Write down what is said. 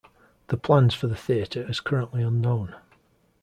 The plans for the theater as currently unknown.